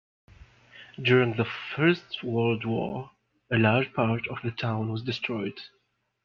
During the First World War a large part of the town was destroyed.